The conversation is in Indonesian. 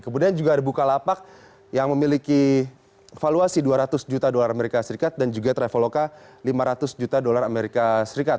kemudian juga ada bukalapak yang memiliki valuasi dua ratus juta usd dan juga traveloka lima ratus juta usd